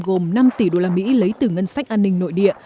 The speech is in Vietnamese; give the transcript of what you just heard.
gồm năm tỷ usd lấy từ ngân sách an ninh nội địa